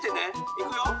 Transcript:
いくよ。